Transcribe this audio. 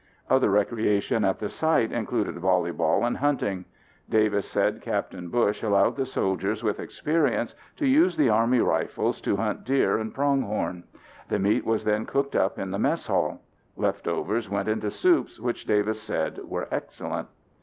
Other recreation at the site included volleyball and hunting. Davis said Capt. Bush allowed the soldiers with experience to use the Army rifles to hunt deer and pronghorn. The meat was then cooked up in the mess hall. Leftovers went into soups which Davis said were excellent.